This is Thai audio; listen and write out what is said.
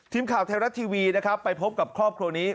ทีมข่าวไทยรัฐทีวีนะครับไปพบกับครอบครัวนี้